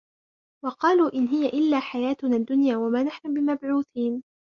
وقالوا إن هي إلا حياتنا الدنيا وما نحن بمبعوثين